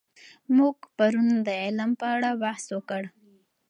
موږ پرون د علم په اړه بحث وکړ.